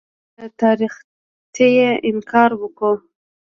له تاریخیته انکار وکوو.